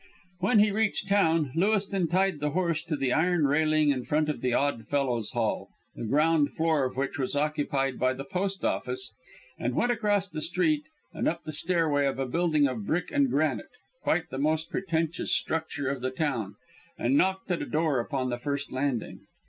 When he reached town, Lewiston tied the horse to the iron railing in front of the Odd Fellows' Hall, the ground floor of which was occupied by the post office, and went across the street and up the stairway of a building of brick and granite quite the most pretentious structure of the town and knocked at a door upon the first landing.